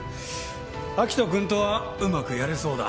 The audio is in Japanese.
明人君とはうまくやれそうだ。